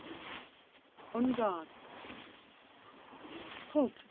] ON GUARD. Halt!